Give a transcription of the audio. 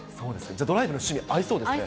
じゃあ、ドライブの趣味合いそうですね。